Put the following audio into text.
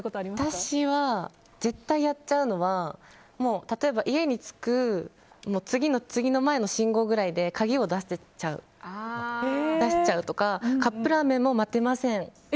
私は、絶対やっちゃうのは例えば家に着く次の次の前の信号ぐらいで鍵を出しちゃうとかカップラーメンも待てません。